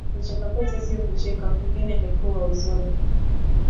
Kucheka kote sio kucheka kungine nikwa uzuni